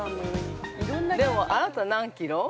◆でもあなた何キロ？